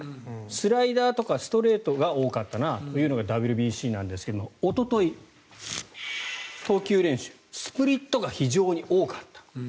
スライダーとかストレートが多かったなというのがＷＢＣなんですがおととい、投球練習スプリットが非常に多かった。